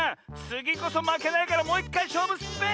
つぎこそまけないからもういっかいしょうぶすっぺ！